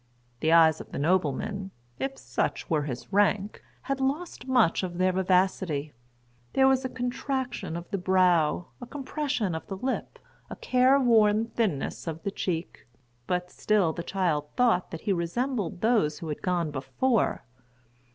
The eyes of the nobleman, if such[Pg 24] were his rank, had lost much of their vivacity; there was a contraction of the brow, a compression of the lip, a care worn thinness of the cheek; but still the child thought that he resembled those who had gone before.